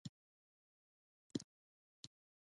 جانداد د امید څراغ دی.